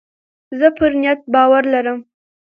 زه پر نیت باور لرم.